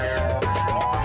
hai mbak mabdi mbak mabdi